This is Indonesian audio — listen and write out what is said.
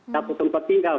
tapi sempat tinggal